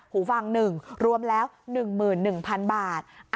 หูฟัง๑รวมแล้ว๑๑๐๐๐บาท